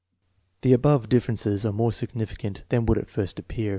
The above differences are more significant than would at first appear.